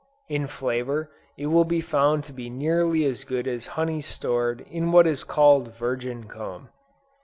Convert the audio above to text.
In flavor, it will be found to be nearly as good as honey stored in what is called "virgin comb."